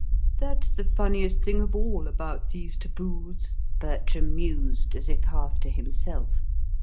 "That's the funniest thing of all about these taboos," Bertram mused, as if half to himself.